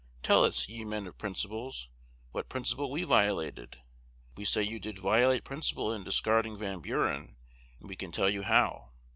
Tell us, ye men of principles, what principle we violated? We say you did violate principle in discarding Van Buren, and we can tell you how.